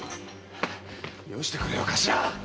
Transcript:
よしてくれよ頭！